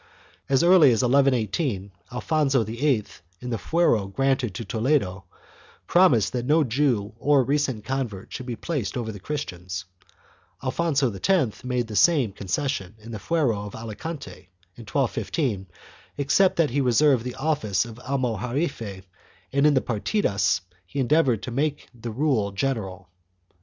As early as 1118, Alfonso VIII, in the fuero granted to Toledo, promised that no Jew or recent con vert should be placed over the Christians; Alfonso X made the same concession in the fuero of Alicante, in 1252, except that he reserved the office of almojarife, and in the Partidas he endeav ored to make the rule general.